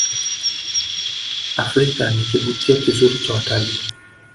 afrika ni kivutio kizuri cha wataliii